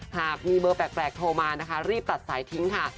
หากมีเบอร์แปลกโทรมานะคะรีบตัดสายทิ้งค่ะ